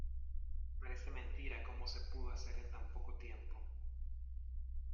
Parece mentira como se pudo hacer en tan poco tiempo.